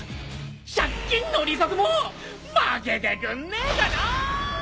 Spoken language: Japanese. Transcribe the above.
借金の利息もまけてくんねえかなぁ！